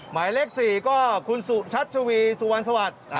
หมายเลข๔ก็คุณสุชัชวีสุวรรณสวัสดิ์